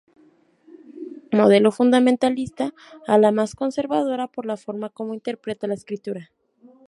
Modelo Fundamentalista: Ala más conservadora por la forma como interpreta la Escritura.